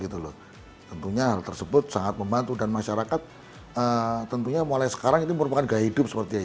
tentunya hal tersebut sangat membantu dan masyarakat tentunya mulai sekarang ini merupakan gaya hidup